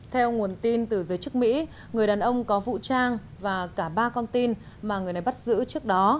theo nguồn tin từ giới chức mỹ người đàn ông có vũ trang và cả ba con tin mà người này bắt giữ trước đó